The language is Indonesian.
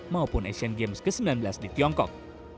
maupun asian games ke sembilan belas di tiongkok